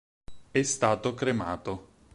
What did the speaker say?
È stato cremato.